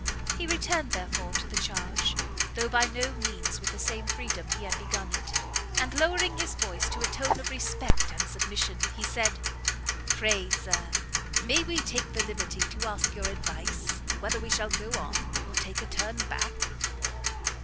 He returned, therefore, to the charge, though by no means with the same freedom he had begun it, and lowering his voice to a tone of respect and submission, he said, "Pray, Sir, may we take the liberty to ask your advice, whether we shall go on, or take a turn back?"